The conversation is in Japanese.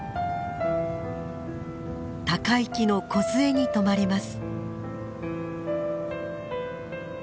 高い木のこずえにとまります。